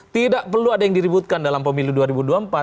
tidak perlu ada yang diributkan dalam pemilu dua ribu dua puluh empat